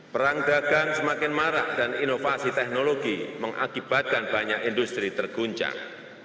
perang dagang semakin marak dan inovasi teknologi mengakibatkan banyak industri terguncang